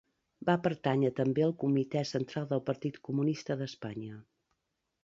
Va pertànyer també al Comitè Central del Partit Comunista d'Espanya.